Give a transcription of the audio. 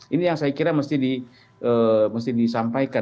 ini yang saya kira mesti disampaikan